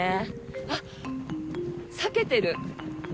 あっ、裂けてる。